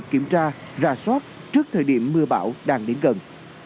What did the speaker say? kiểm tra rà soát trước thời điểm mưa bão đang đến gần